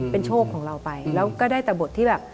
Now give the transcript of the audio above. เป็นโชคของเราไปแล้วก็ได้แต่บทที่แบบ